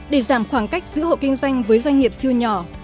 để giảm khoảng cách giữ hộ kinh doanh với doanh nghiệp siêu nhỏ